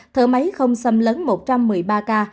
thở máy không xâm lấn một trăm một mươi ba ca